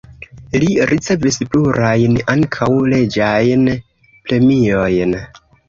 Li ricevis plurajn, ankaŭ reĝajn premiojn.